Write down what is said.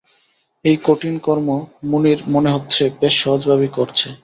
এই কঠিন কর্ম মুনির, মনে হচ্ছে, বেশ সহজভাবেই করছে।